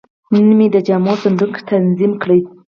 نن مې د جامو صندوق تنظیم کړ.